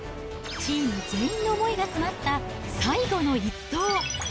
チーム全員の思いが詰まった最後の一投。